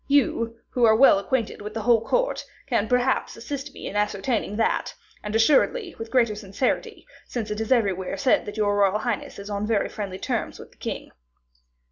You, who are well acquainted with the whole court, can perhaps assist me in ascertaining that; and assuredly, with greater certainty, since it is everywhere said that your royal highness is on very friendly terms with the king."